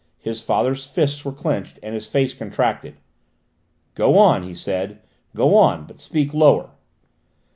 His father's fists were clenched and his face contracted. "Go on!" he said, "go on, but speak lower!"